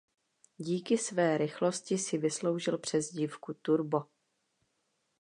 Díky své rychlosti si vysloužil přezdívku "Turbo".